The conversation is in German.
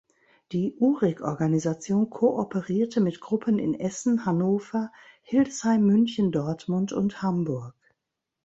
Die Uhrig-Organisation kooperierte mit Gruppen in Essen, Hannover, Hildesheim, München, Dortmund und Hamburg.